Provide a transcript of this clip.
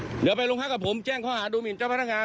เดี๋ยวไปโรงพักกับผมแจ้งข้อหาดูหมินเจ้าพนักงาน